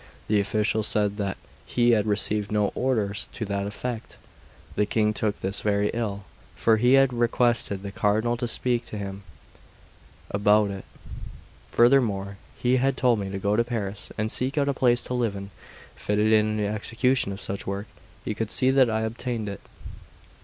The official said that he had received no orders to that effect. The King took this very ill, for he had requested the Cardinal to speak to him about it. Furthermore, he told me to go to Paris and seek out a place to live in, fitted for the execution of such work; he would see that I obtained it.